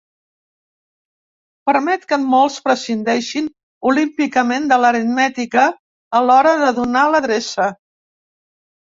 Permet que molts prescindeixen olímpicament de l'aritmètica a l'hora de donar l'adreça.